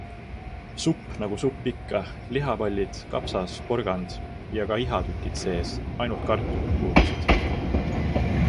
Supp nagu supp ikka, lihapallid, kapsas, porgand ja ka ihatükid sees, ainult kartulid puudusid.